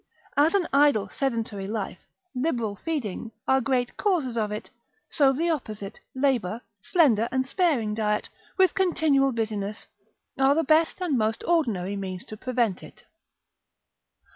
As an idle sedentary life, liberal feeding, are great causes of it, so the opposite, labour, slender and sparing diet, with continual business, are the best and most ordinary means to prevent it.